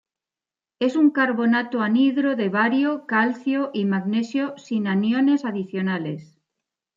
Es un carbonato anhidro de bario, calcio y magnesio, sin aniones adicionales.